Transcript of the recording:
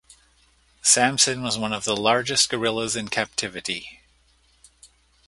Samson was one of the largest gorillas in captivity.